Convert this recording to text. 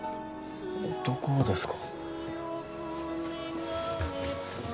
どこですか？